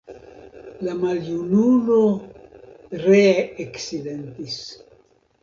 La maljunulo ree eksilentis.